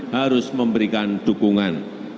harus memberikan dukungan